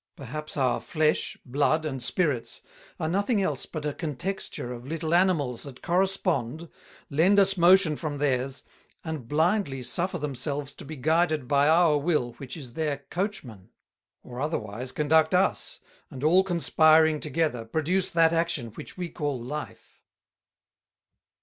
Perhaps our Flesh, Blood, and Spirits, are nothing else but a Contexture of little Animals that correspond, lend us Motion from theirs, and blindly suffer themselves to be guided by our Will which is their Coachman; or otherwise conduct us, and all Conspiring together, produce that Action which we call Life.